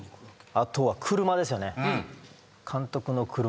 あとは車ですよね。